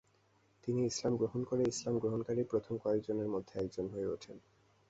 তিনি ইসলাম গ্রহণ করে ইসলাম গ্রহণকারী প্রথম কয়েকজনের মধ্যে একজন হয়ে ওঠেন।